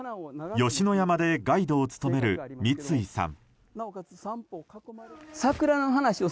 吉野山でガイドを務める密井さん。